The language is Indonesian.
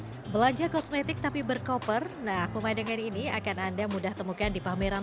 hai belanja kosmetik tapi berkoper nah pemain dengan ini akan anda mudah temukan di pameran